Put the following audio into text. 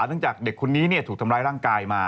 จากเด็กคนนี้ถูกทำร้ายร่างกายมา